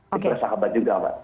bersahabat juga pak